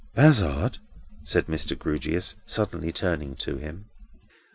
"Bazzard!" said Mr. Grewgious, suddenly turning to him.